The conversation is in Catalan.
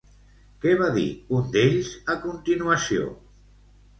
Què va dir un d'ells a continuació?